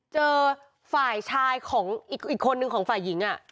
เจอฝ่ายชายของอีกคนนึงของฝ่ายหญิง